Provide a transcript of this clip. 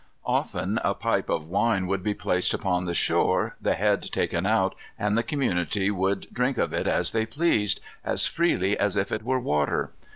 Often a pipe of wine would be placed upon the shore, the head taken out, and the community would drink of it as they pleased, as freely as if it were water.